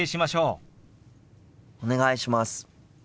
お願いします。